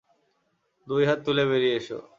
দুই হাত তুলে বেরিয়ে এসো!